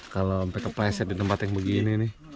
kalau sampai kepleset di tempat yang begini nih